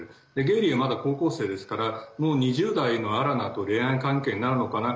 ゲイリーは、まだ高校生ですからもう２０代のアラナと恋愛関係になるのかな。